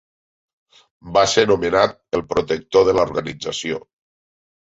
Va ser nomenat el protector de l'organització.